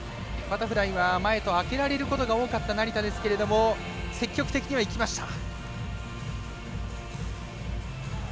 バタフライは前と開けられることが多かった成田ですけれども積極的にはいきました。